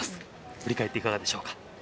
振り返っていかがでしょうか。